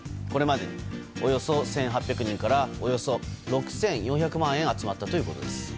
これまで、およそ１８００人からおよそ６４００万円が集まったということです。